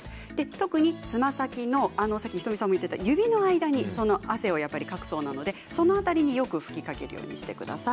特に、つま先のさっき仁美さんも言っていた指の間に汗をかくそうなのでその辺りによく吹きかけるようにしてください。